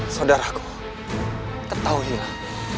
saudaraku ketahui lah